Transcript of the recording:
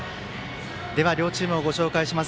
では、両チームをご紹介します。